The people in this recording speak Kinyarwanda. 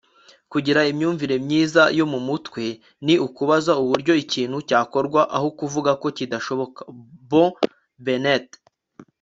kugira imyumvire myiza yo mu mutwe ni ukubaza uburyo ikintu cyakorwa aho kuvuga ko kidashoboka. - bo bennett